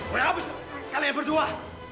gue abis kalian berdua